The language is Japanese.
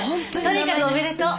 とにかくおめでとう。